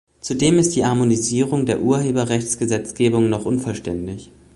Zudem ist die Harmonisierung der Urheberrechtsgesetzgebung noch unvollständig.